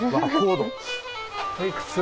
おいくつ？